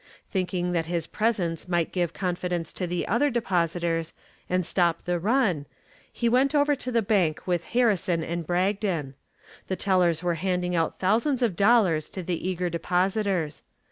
Thinking that his presence might give confidence to the other depositors and stop the run he went over to the bank with Harrison and Bragdon. The tellers were handing out thousands of dollars to the eager depositors.